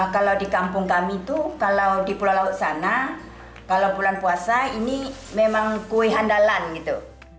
kalau di kampung kami itu kalau di pulau laut sana kalau bulan puasa ini memang kue handalan gitu